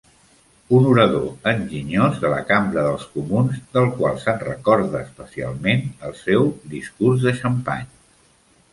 Un orador enginyós de la Cambra dels Comuns, de qual se'n recorda especialment el seu "discurs de xampany".